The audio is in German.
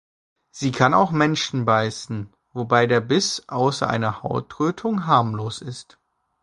Sie kann auch Menschen beißen, wobei der Biss außer einer Hautrötung harmlos ist.